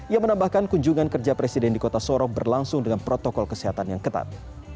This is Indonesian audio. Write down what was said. ia menambahkan kunjungan kerja presiden di kota sorong berlangsung dengan protokol kesehatan yang ketat